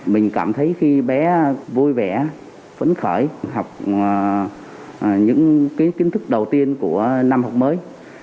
mình cảm thấy khi bé vui vẻ phấn khởi học những cái kiến thức đầu tiên của năm học mới